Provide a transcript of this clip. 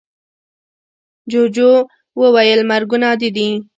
جوجو وویل مرگونه عادي دي.